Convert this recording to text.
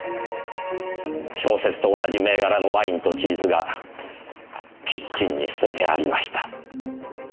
小説と同じ銘柄のワインとチーズがキッチンに捨ててありました。